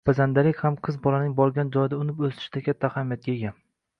Pazandalik ham qiz bolaning borgan joyida unib-o‘sishida katta ahamiyatga ega.